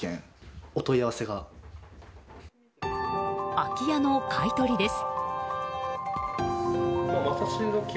空き家の買い取りです。